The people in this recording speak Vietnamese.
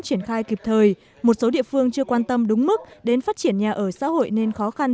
triển khai kịp thời một số địa phương chưa quan tâm đúng mức đến phát triển nhà ở xã hội nên khó khăn